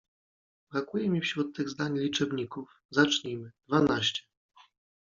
Brakuje mi wśród tych zdań liczebników. Zacznijmy: dwanaście